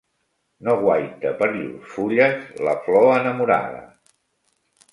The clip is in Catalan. No guaita per llurs fulles la flor enamorada.